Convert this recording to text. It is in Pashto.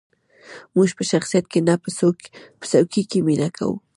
موږ په شخصیت نه، په څوکې مینه کوو.